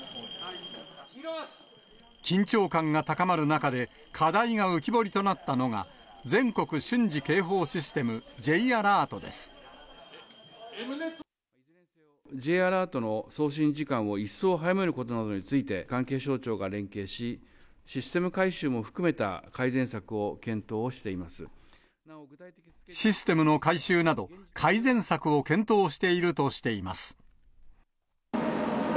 緊張感が高まる中で、課題が浮き彫りとなったのが、全国瞬時警報Ｊアラートの送信時間を一層早めることなどについて、関係省庁が連携し、システム改修も含めた改善策を検討をしていまシステムの改修など、改善策を検討しているとしています。